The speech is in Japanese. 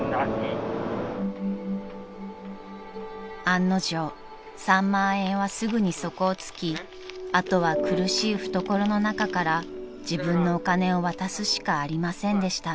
［案の定３万円はすぐに底を突きあとは苦しい懐の中から自分のお金を渡すしかありませんでした］